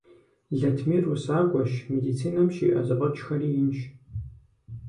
Латмир усакӀуэщ, медицинэм щиӀэ зэфӀэкӀхэри инщ.